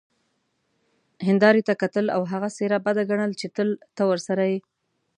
هیندارې ته کتل او هغه څیره بده ګڼل چې تل ته ورسره يې،